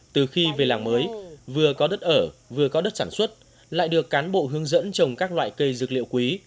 từ khi về làng mới vừa có đất ở vừa có đất sản xuất lại được cán bộ hướng dẫn trồng các loại cây dược liệu quý